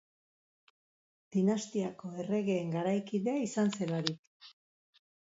Dinastiako erregeen garaikidea izan zelarik.